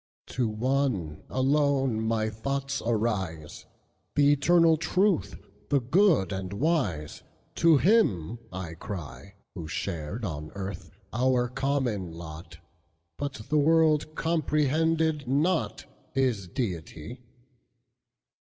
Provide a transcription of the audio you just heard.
To One alone my thoughts arise, The Eternal Truth, the Good and Wise, To Him I cry, Who shared on earth our common lot, But the world comprehended notHis deity.